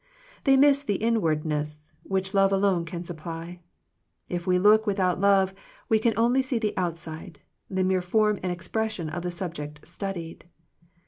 They miss the inwardness, which love alone can supply. If we look without love we can only see the outside, the mere form and expression of the subject studied.